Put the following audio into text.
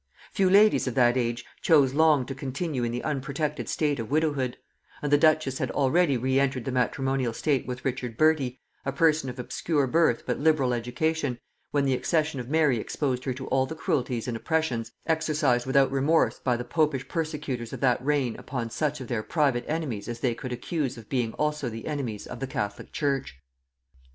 Few ladies of that age chose long to continue in the unprotected state of widowhood; and the duchess had already re entered the matrimonial state with Richard Bertie, a person of obscure birth but liberal education, when the accession of Mary exposed her to all the cruelties and oppressions exercised without remorse by the popish persecutors of that reign upon such of their private enemies as they could accuse of being also the enemies of the catholic church.